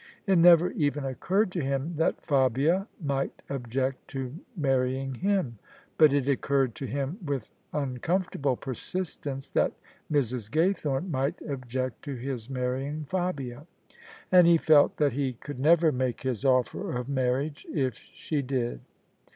It never even occurred to him that Fabia might object to marrying him: but it occurred to him with uncomfortable persistence that Mrs. Gaythorne might object to his marrying Fabia. And he felt that he could never make his offer of marriage if she did.